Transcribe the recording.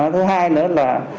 thứ hai nữa là